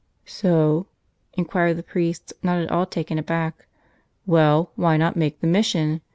"So?" inquired the priest, not at all taken aback. "Well, why not make the mission?